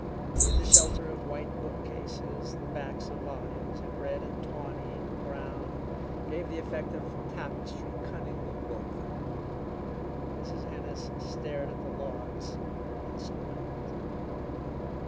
In the shelter of white bookcases, the backs of volumes in red and tawny and brown gave the effect of tapestry cunningly woven. Mrs. Ennis stared at the logs and smiled.